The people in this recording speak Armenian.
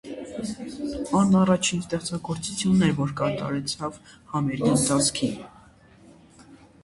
Ան առաջին ստեղծագործութիւնն էր, որ կատարուեցաւ համերգի ընթացքին։